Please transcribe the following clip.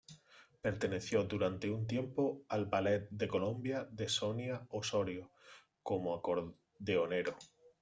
Perteneció durante un tiempo al Ballet de Colombia de Sonia Osorio, como acordeonero.